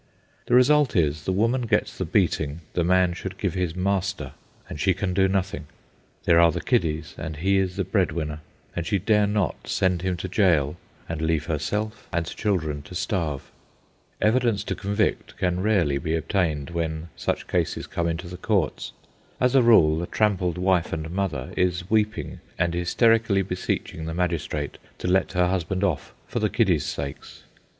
The result is, the woman gets the beating the man should give his master, and she can do nothing. There are the kiddies, and he is the bread winner, and she dare not send him to jail and leave herself and children to starve. Evidence to convict can rarely be obtained when such cases come into the courts; as a rule, the trampled wife and mother is weeping and hysterically beseeching the magistrate to let her husband off for the kiddies' sakes.